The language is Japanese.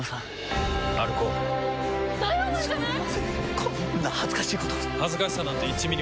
こんな恥ずかしいこと恥ずかしさなんて１ミリもない。